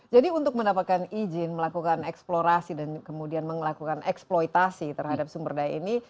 jadi untuk mendapatkan izin melakukan eksplorasi dan kemudian melakukan eksploitasi terhadap sumber daya ini